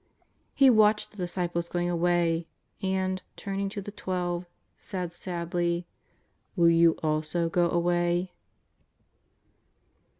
He watched the disciples going away, and, turning to the Twelve, said sadly: " Will you also go away